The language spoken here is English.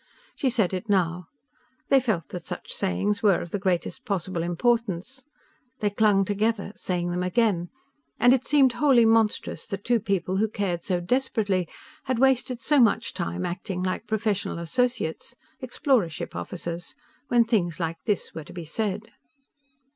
She said it now. They felt that such sayings were of the greatest possible importance. They clung together, saying them again. And it seemed wholly monstrous that two people who cared so desperately had wasted so much time acting like professional associates explorer ship officers when things like this were to be said